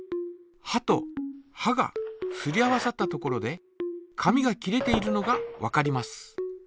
はとはがすり合わさったところで紙が切れているのがわかります。